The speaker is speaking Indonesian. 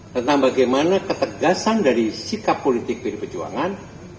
tentang bagaimana ketegasan dari sikap politik pdi perjuangan